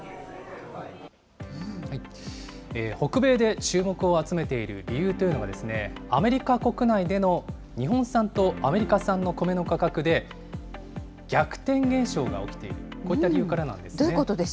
北米で注目を集めている理由というのがですね、アメリカ国内での日本産とアメリカ産のコメの価格で逆転現象が起きている、こういった理由からなんですね。